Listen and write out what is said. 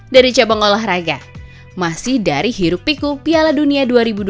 dari cabang olahraga masih dari hirup piku piala dunia dua ribu dua puluh